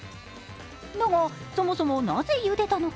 でも、そもそもなぜ、ゆでたのか？